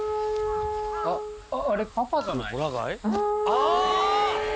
ああ！